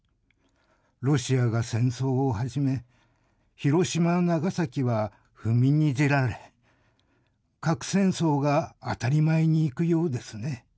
ロシアが戦争をはじめ、ヒロシマナガサキは踏みにじられ、核戦争が当たり前にいくようですね。